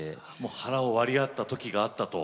腹を割り合った時があったと。